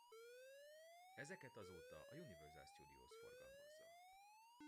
Ezeket azóta a Universal Studios forgalmazza.